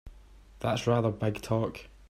That's rather big talk!